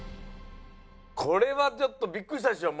これはちょっとびっくりしたでしょ？